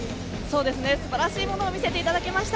素晴らしいものを見せていただきました。